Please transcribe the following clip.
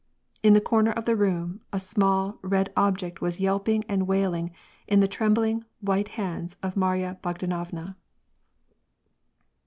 In the corner of the room, a small, red object was yelping and wailing in the trembling, white hands of Marya Bogdanovna.